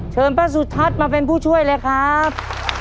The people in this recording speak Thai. เชิญป้าสุทัศน์มาเป็นผู้ช่วยเลยครับ